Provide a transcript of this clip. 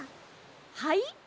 はい？